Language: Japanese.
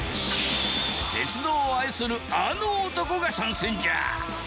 鉄道を愛するあの男が参戦じゃ！